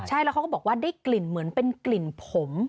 ใช่แล้วเขาก็บอกว่าได้กลิ่นเหมือนเป็นกลิ่นผม